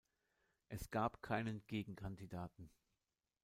Es gab keinen Gegenkandidaten.